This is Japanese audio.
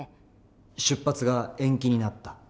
出発が延期になった？